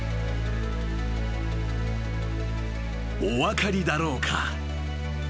［お分かりだろうか？］